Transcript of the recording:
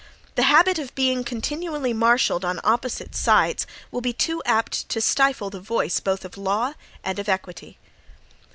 The habit of being continually marshalled on opposite sides will be too apt to stifle the voice both of law and of equity.